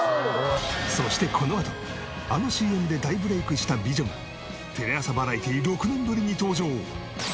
そしてこのあとあのＣＭで大ブレイクした美女がテレ朝バラエティー６年ぶりに登場。